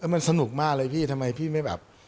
มันสนุกมากเลยพี่ทำไมพี่ไม่แบบ